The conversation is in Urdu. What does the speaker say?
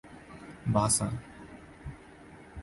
باسا